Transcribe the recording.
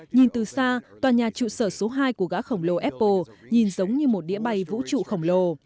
nhìn từ xa tòa nhà trụ sở số hai của gã khổng lồ apple nhìn giống như một đĩa bay vũ trụ khổng lồ